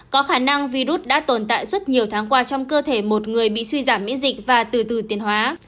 có khả năng virus đã tồn tại suốt nhiều tháng qua trong cơ thể một người bị suy giảm miễn dịch và từ từ tiền hóa